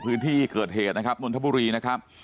พื้นที่เกิดเหตุนะครับนนทบุรีนะครับ